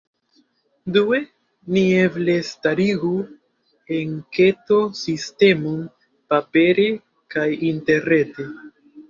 Due, ni eble starigu enketo-sistemon, papere kaj interrete.